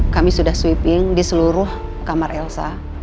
kami sudah sweeping di seluruh kamar elsa